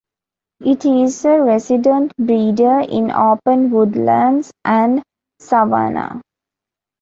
It is a resident breeder in open woodlands and savannah.